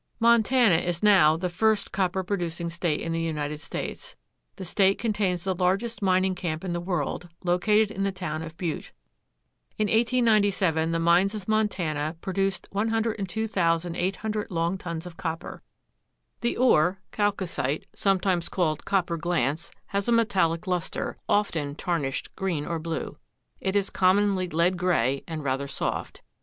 Montana is now the first copper producing state in the United States. The state contains the largest mining camp in the world, located in the town of Butte. In 1897 the mines of Montana produced 102,800 long tons of copper. The ore chalcocite, sometimes called copper glance, has a metallic luster, often tarnished green or blue. It is commonly lead gray and rather soft.